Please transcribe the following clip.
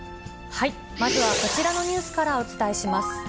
まずはこちらのニュースからお伝えします。